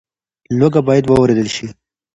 لوږه باید واورېدل شي.